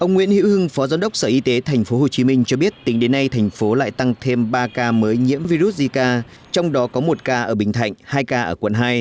ông nguyễn hữu hưng phó giám đốc sở y tế tp hcm cho biết tính đến nay thành phố lại tăng thêm ba ca mới nhiễm virus zika trong đó có một ca ở bình thạnh hai ca ở quận hai